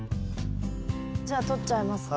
じゃあとっちゃいますね。